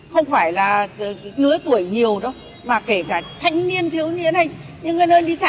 không phải là người tuổi nhiều đâu mà kể cả thanh niên thiếu niên hay những nơi đi xe